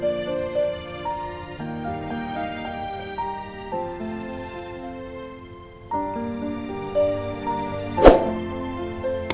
aku udah berhenti